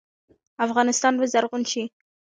افغانستان به زرغون شي؟